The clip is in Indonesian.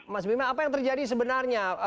mas bima apa yang terjadi sebenarnya